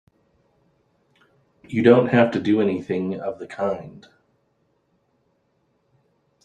You don't have to do anything of the kind!